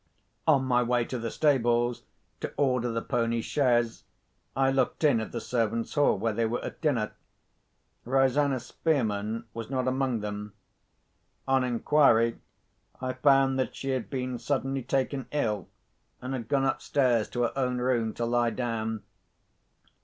On my way to the stables, to order the pony chaise, I looked in at the servants' hall, where they were at dinner. Rosanna Spearman was not among them. On inquiry, I found that she had been suddenly taken ill, and had gone upstairs to her own room to lie down.